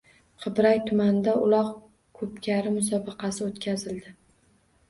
Qibray tumanida uloq-ko‘pkari musobaqasi o‘tkazildi